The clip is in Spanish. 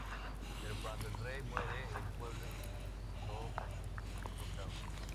Pero cuando el rey muere, el pueblo entró en un profundo caos.